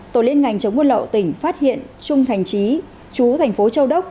tổ liên ngành chống buôn lậu tỉnh phát hiện trung thành trí chú thành phố châu đốc